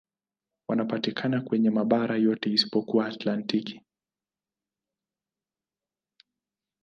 Wanapatikana kwenye mabara yote isipokuwa Antaktiki.